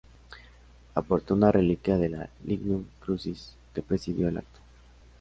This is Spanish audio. Aportó una reliquia de la "Lignum Crucis", que presidió el acto.